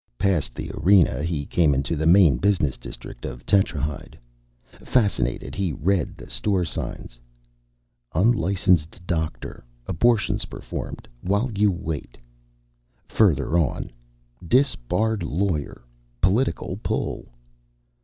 Past the Arena, he came into the main business district of Tetrahyde. Fascinated, he read the store signs: UNLICENSED DOCTOR ABORTIONS PERFORMED WHILE U WAIT. Further on, DISBARRED LAWYER. POLITICAL PULL!